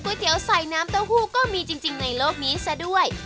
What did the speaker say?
เตี๋ยวใส่น้ำเต้าหู้ก็มีจริงในโลกนี้ซะด้วย